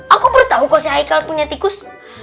aku baru tahu kok si aika punya tikus